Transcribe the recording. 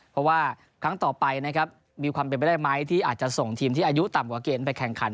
เพราะว่าครั้งต่อไปนะครับมีความเป็นไปได้ไหมที่อาจจะส่งทีมที่อายุต่ำกว่าเกณฑ์ไปแข่งขัน